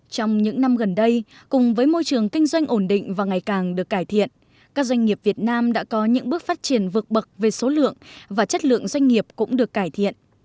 trong những năm gần đây cùng với môi trường kinh doanh ổn định và ngày càng được cải thiện các doanh nghiệp việt nam đã có những bước phát triển vượt bậc về số lượng và chất lượng doanh nghiệp cũng được cải thiện